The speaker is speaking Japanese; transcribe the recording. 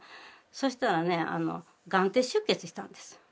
そうしたらね眼底出血したんです。